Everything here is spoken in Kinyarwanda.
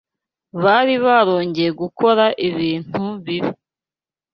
Bari barongeye gukora ibintu bibi